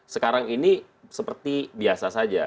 sekarang ini seperti biasa saja